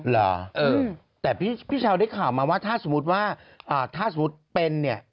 เหรอแต่พี่เช้าได้ข่าวมาว่าถ้าสมมุติว่าถ้าสมมุติเป็นเนี่ย